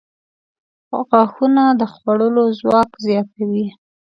• غاښونه د خوړلو ځواک زیاتوي.